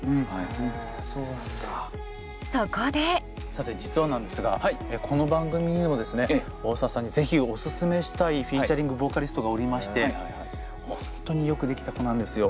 さて実はなんですがこの番組にもですね大沢さんに是非おすすめしたいフィーチャリングボーカリストがおりまして本当によくできた子なんですよ。